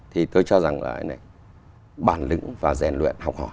thì tôi cho rằng là bản lĩnh và rèn luyện học hỏi